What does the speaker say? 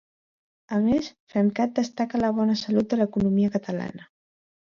A més, FemCat destaca la bona salut de l'economia catalana.